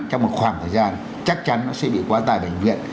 trong một khoảng thời gian chắc chắn nó sẽ bị quá tài bệnh viện